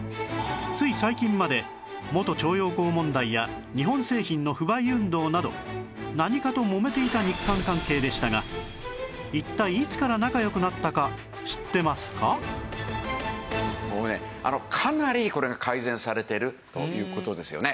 つい最近まで元徴用工問題や日本製品の不買運動など何かともめていた日韓関係でしたが一体いつから仲良くなったか知ってますか？というのがあるんですね。